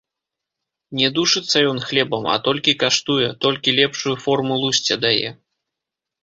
Не душыцца ён хлебам, а толькі каштуе, толькі лепшую форму лусце дае.